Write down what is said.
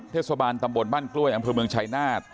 เทศบาลตำบลบ้านกล้วยอำเภอเมืองชายนาฏ